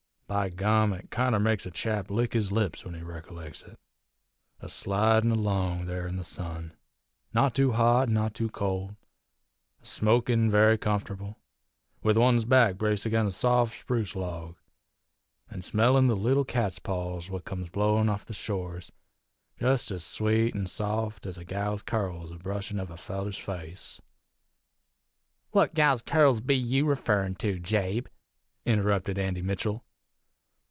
By gum, it kinder makes a chap lick his lips when he rickolecks it, a slidin' along there in the sun, not too hot an' not too cold, a smokin' very comfortable, with one's back braced agin a saft spruce log, an' smellin' the leetle catspaws what comes blowin' off the shores jest ez sweet an' saft ez a gal's currls a brushin' of a feller's face." "What gal's currls be you referrin' to Jabe?" interrupted Andy Mitchell.